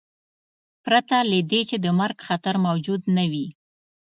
پرته له دې چې د مرګ خطر موجود نه و.